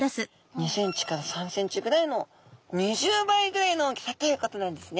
２ｃｍから３ｃｍぐらいの２０倍ぐらいの大きさということなんですね。